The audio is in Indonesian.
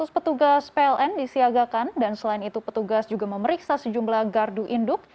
lima ratus petugas pln disiagakan dan selain itu petugas juga memeriksa sejumlah gardu induk